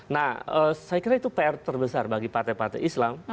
nah saya kira itu pr terbesar bagi partai partai islam